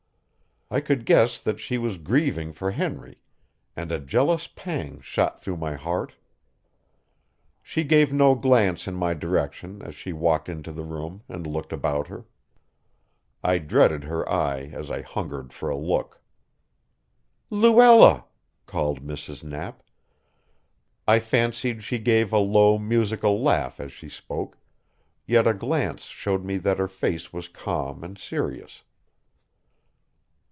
I could guess that she was grieving for Henry, and a jealous pang shot through my heart. She gave no glance in my direction as she walked into the room and looked about her. I dreaded her eye as I hungered for a look. "Luella!" called Mrs. Knapp. I fancied she gave a low, musical laugh as she spoke, yet a glance showed me that her face was calm and serious.